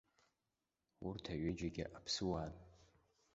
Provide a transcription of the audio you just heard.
Урҭ аҩыџьагьы аԥсыуаан.